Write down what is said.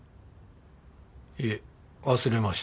いえ忘れました。